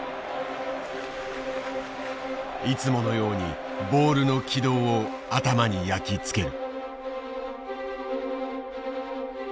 いつものようにボールの軌道を頭に焼き付ける。